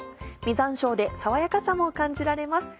実山椒で爽やかさも感じられます。